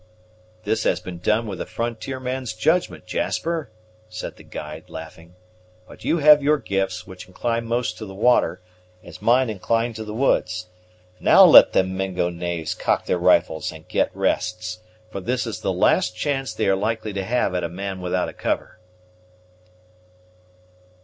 "This has been done with a frontier man's judgment Jasper," said the guide, laughing; "but you have your gifts, which incline most to the water, as mine incline to the woods. Now let them Mingo knaves cock their rifles and get rests, for this is the last chance they are likely to have at a man without a cover."